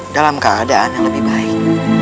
dalam keadaan yang lebih baik